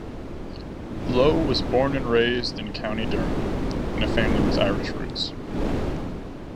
Lowe was born and raised in County Durham, in a family with Irish roots.